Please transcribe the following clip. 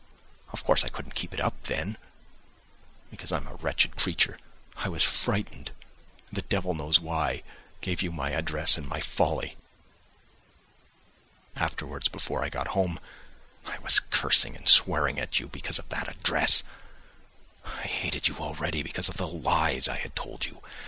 Of course, I couldn't keep it up then, because I am a wretched creature, I was frightened, and, the devil knows why, gave you my address in my folly. Afterwards, before I got home, I was cursing and swearing at you because of that address, I hated you already because of the lies I had told you.